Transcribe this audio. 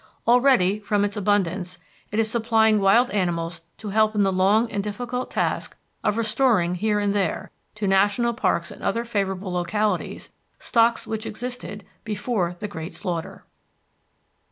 Already, from its abundance, it is supplying wild animals to help in the long and difficult task of restoring here and there, to national parks and other favorable localities, stocks which existed before the great slaughter.